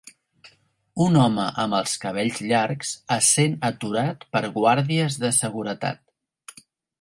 Un home amb els cabells llargs essent aturat per guàrdies de seguretat.